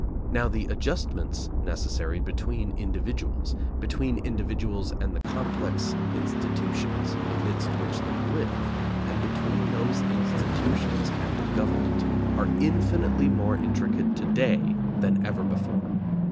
Now, the adjustments necessary between individuals, between individuals and the complex institutions amidst which they live, and between those institutions and the government, are infinitely more intricate to day than ever before.